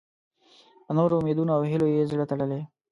په نورو امیدونو او هیلو یې زړه تړلی.